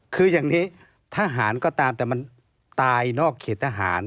คืออย่างนี้ทหารก็ตามแต่มันตายนอกเขตทหาร